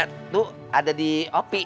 itu ada di op